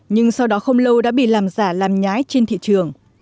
nhưng sau đó không lâu đã bị làm giả làm nhái trên thị trường